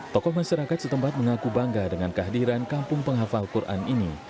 tokoh masyarakat setempat mengaku bangga dengan kehadiran kampung penghafal quran ini